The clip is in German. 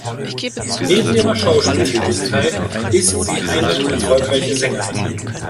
Neben ihrer Schauspieltätigkeit ist sie eine erfolgreiche Sängerin.